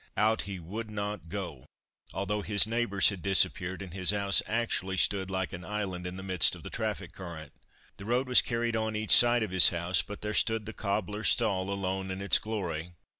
Out he would not go, although his neighbours had disappeared and his house actually stood like an island in the midst of the traffic current. The road was carried on each side of his house, but there stood the cobbler's stall alone in its glory.